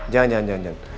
jangan jangan jangan